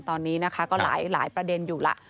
ตอนนี้นะคะก็หลายประเด็นอยู่ล่ะ